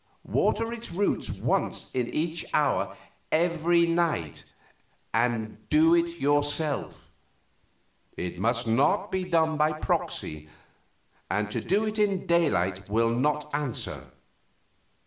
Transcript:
Water its roots once in each hour every night and do it yourself; it must not be done by proxy, and to do it in daylight will not answer.